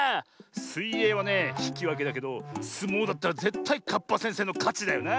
すいえいはねひきわけだけどすもうだったらぜったいカッパせんせいのかちだよなあ。